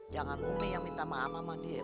jangan umi yang minta maaf sama dia